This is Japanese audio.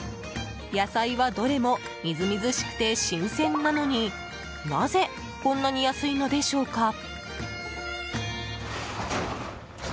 野菜は、どれもみずみずしくて新鮮なのになぜ、こんなに安いのでしょうか。